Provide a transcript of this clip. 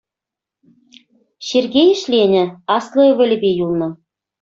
Сергей ӗҫленӗ, аслӑ ывӑлӗпе юлнӑ.